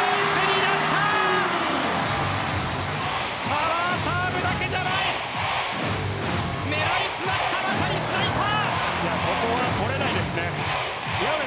パワーサーブだけじゃない狙いすましたここは取れないですね。